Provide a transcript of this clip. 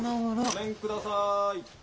・ごめんください！